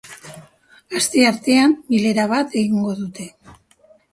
Asteartean, bilera bat egingo dute.